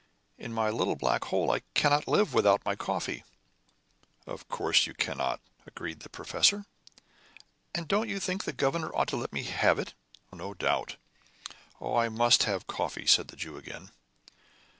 In my little black hole I cannot live without my coffee." "Of course you cannot," agreed the professor. "And don't you think the governor ought to let me have it?" "No doubt." "Oh, I must have coffee," said the Jew again.